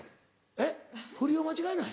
えっ振りを間違えない？